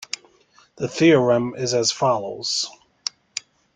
The theorem is as follows.